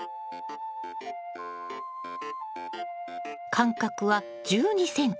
間隔は１２ｃｍ。